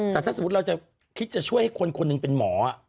แต่ถ้าสมมุติเราจะคิดจะช่วยให้คนคนหนึ่งเป็นหมอ